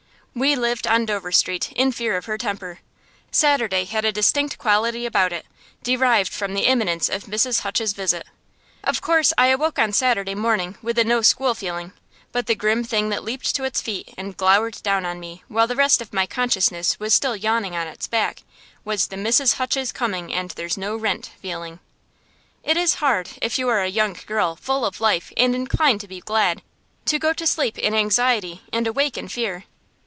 We lived, on Dover Street, in fear of her temper. Saturday had a distinct quality about it, derived from the imminence of Mrs. Hutch's visit. Of course I awoke on Saturday morning with the no school feeling; but the grim thing that leaped to its feet and glowered down on me, while the rest of my consciousness was still yawning on its back, was the Mrs. Hutch is coming and there's no rent feeling. It is hard, if you are a young girl, full of life and inclined to be glad, to go to sleep in anxiety and awake in fear.